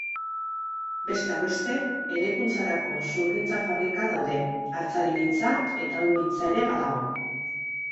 Besteak beste, eraikuntzarako zurgintza-fabrikak daude, altzarigintza eta ehungintza ere badago.